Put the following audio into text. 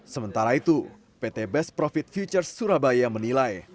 sementara itu pt best profit futures surabaya menilai